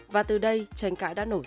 và từ đây tranh cãi đã nổi tiếng